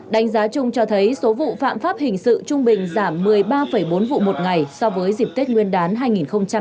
đánh giá chung cho thấy số vụ phạm pháp hình sự trung bình giảm một mươi ba bốn vụ một ngày so với dịp tết nguyên đán hai nghìn một mươi chín